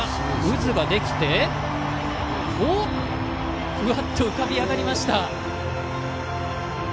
渦ができてふわっと浮かび上がりました！